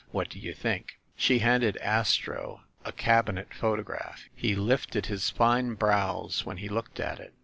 What do you think?" She handed Astro a cabinet photograph. He lifted his fine brows when he looked at it.